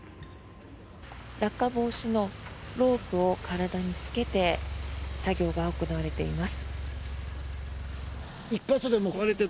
落下防止のロープを体につけて作業が行われています。